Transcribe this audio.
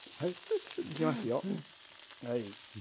いきますよはい。